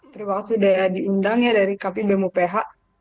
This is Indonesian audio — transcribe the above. terima kasih sudah diundang ya dari kpi bmu ph